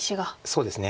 そうですね。